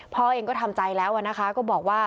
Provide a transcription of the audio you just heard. พ่อเองก็ทำใจแล้วนะคะก็บอกว่า